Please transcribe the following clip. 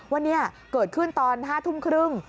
ว่านี่เกิดขึ้นตอน๕ทุ่มครึ่ง